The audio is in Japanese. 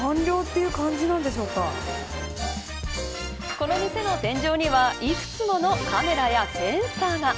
この店の天井には幾つものカメラやセンサーが。